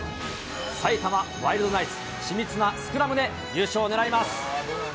埼玉ワイルドナイツ、緻密なスクラムで優勝を狙います。